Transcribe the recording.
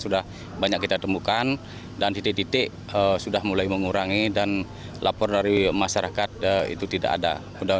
sudah banyak kita temukan dan titik titik sudah mulai mengurangi dan lapor dari masyarakat itu tidak ada